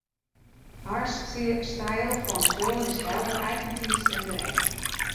Har styl fan skriuwen is helder, eigentiidsk en direkt